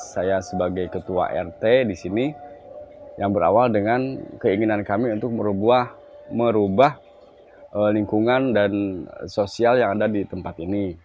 saya sebagai ketua rt di sini yang berawal dengan keinginan kami untuk merubah lingkungan dan sosial yang ada di tempat ini